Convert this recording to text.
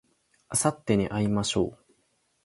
あさってに会いましょう